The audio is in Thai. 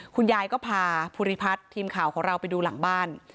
คุณยายก็พาภูริพัฒน์ทีมข่าวของเราไปดูหลังบ้าน